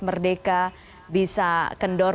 merdeka bisa kendor